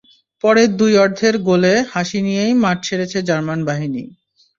পরে দুই অর্ধের দুই গোলে হাসি নিয়েই মাঠ ছেড়েছে জার্মান বাহিনী।